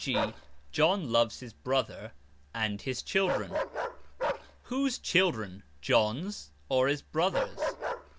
g., "John loves his brother and his children." Whose children, John's or his brother's?